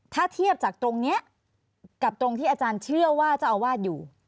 ถ้าเทียบจากตรงนี้กับตรงที่อาจารย์เชื่อว่าเจ้าอาวาสอยู่